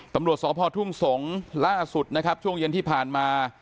ตำรวจสพทุ่งสงศ์ล่าสุดนะครับช่วงเย็นที่ผ่านมา